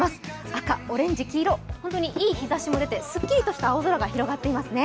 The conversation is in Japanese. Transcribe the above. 赤、オレンジ、黄色、いい日ざしも出てすっきりとした青空が広がってますね。